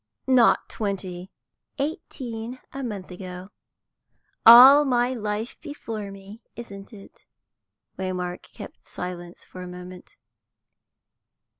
"Not twenty." "Eighteen a month ago. All my life before me, isn't it?" Waymark kept silence for a moment.